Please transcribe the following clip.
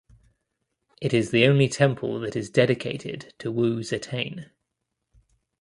It is the only temple that is dedicated to Wu Zetian.